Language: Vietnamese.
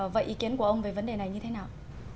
vậy ý kiến của ông về vấn đề này như thế nào